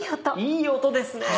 いい音ですね！